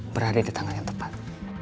berada ditangani tepat